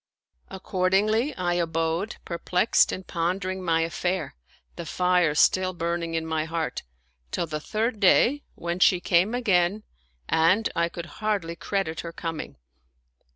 Accordingly I abode, perplexed and pondering my affair, the fire still burning in my heart, till the third day, when she came again and I could hardly credit her coming.